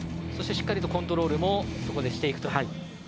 そして、しっかりとコントロールもしていくと。